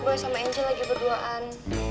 boy sama angel lagi berduaan